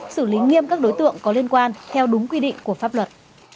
xử lý nghiêm các đối tượng có liên quan theo đúng quy định của pháp luật